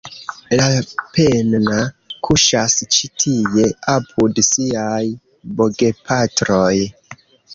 Lapenna kuŝas ĉi tie apud siaj bogepatroj.